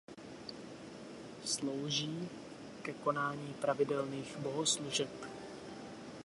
Slouží ke konání pravidelných bohoslužeb.